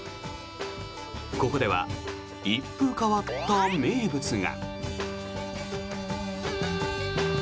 ここでは一風変わった名物が。